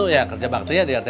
ya kerja baktinya di rt